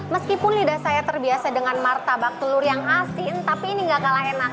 meskipun lidah saya terbiasa dengan martabak telur yang asin tapi ini gak kalah enak